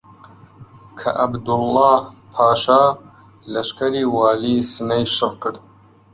کە عەبدوڵڵاهـ پاشا لەشکری والیی سنەی شڕ کرد